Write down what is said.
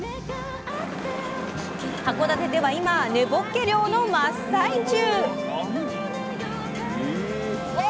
函館では今根ぼっけ漁の真っ最中。